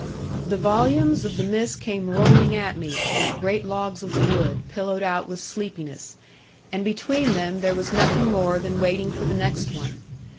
The volumes of the mist came rolling at me (like great logs of wood, pillowed out with sleepiness), and between them there was nothing more than waiting for the next one.